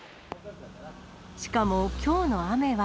しかもきょうの雨は。